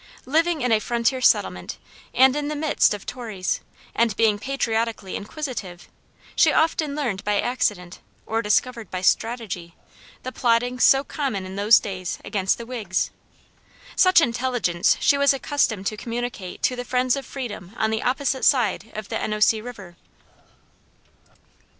Living in a frontier settlement, and in the midst of Tories, and being patriotically inquisitive, she often learned by accident, or discovered by strategy, the plottings so common in those days against the Whigs. Such intelligence she was accustomed to communicate to the friends of freedom on the opposite side of the Ennosee river.